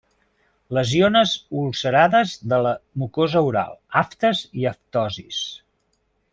Lesiones ulcerades de la mucosa oral: aftes i aftosis.